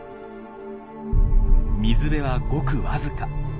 水辺はごく僅か。